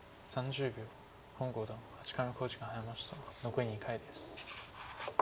残り２回です。